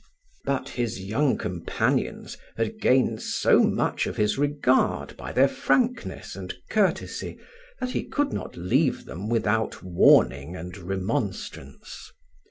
But his young companions had gained so much of his regard by their frankness and courtesy that he could not leave them without warning and remonstrance.